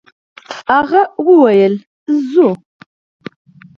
هغه وويل: «ځو!»